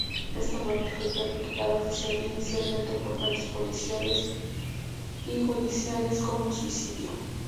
Esta muerte fue calificada inicialmente por fuentes policiales y judiciales como suicidio.